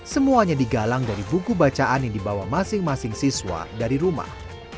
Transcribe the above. semuanya digalang dari buku bacaan yang dibawa masing masing siswa dari rumah